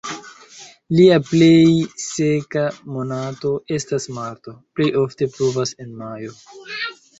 Lia plej seka monato estas marto, plej ofte pluvas en majo.